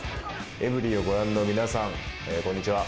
エブリィをご覧の皆さん、こんにちは。